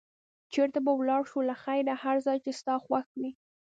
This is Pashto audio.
چېرته به ولاړ شو له خیره؟ هر ځای چې ستا خوښ وي.